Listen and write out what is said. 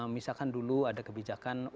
misalkan dulu ada kebijakan